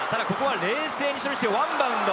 冷静に処理してワンバウンド。